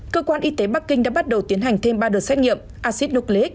cơ quan y tế bắc kinh đã bắt đầu tiến hành thêm ba đợt xét nghiệm acid nucleic